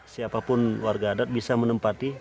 siapapun warga adat bisa menempati